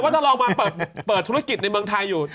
ถ้าลองมาเปิดธุรกิจในเมืองไทยอยู่